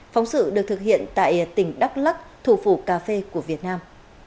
phóng sự được thực hiện tại tỉnh đắk lắc thủ phủ cà phê của việt nam